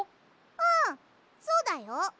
うんそうだよ！